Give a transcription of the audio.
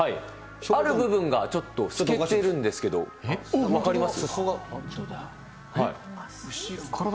ある部分がちょっと透けてるんですけど、分かります？